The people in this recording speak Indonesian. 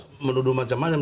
kita tidak menuduh macam macam